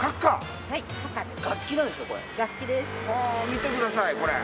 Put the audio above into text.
見てくださいこれ。